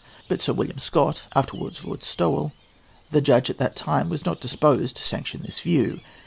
But Sir William Scott (afterwards Lord Stowell), the judge at that time, was not disposed to sanction this view.